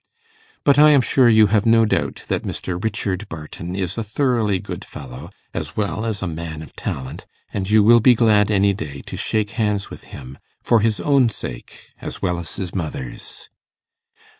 But I am sure you have no doubt that Mr. Richard Barton is a thoroughly good fellow, as well as a man of talent, and you will be glad any day to shake hands with him, for his own sake as well as his mother's.